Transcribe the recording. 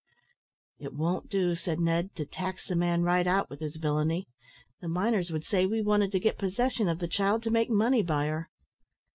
"It won't do," said Ned, "to tax the man right out with his villainy. The miners would say we wanted to get possession of the child to make money by her."